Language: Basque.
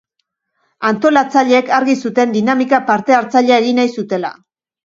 Antolatzaileek argi zuten dinamika parte-hartzailea egin nahi zutela.